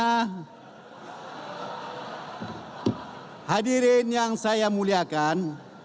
hadirin yang saya muliakan